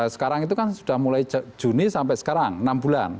sekarang itu kan sudah mulai juni sampai sekarang enam bulan